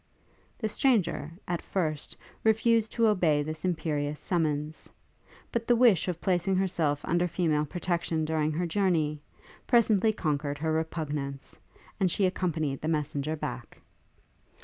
The stranger, at first, refused to obey this imperious summons; but the wish of placing herself under female protection during her journey, presently conquered her repugnance, and she accompanied the messenger back.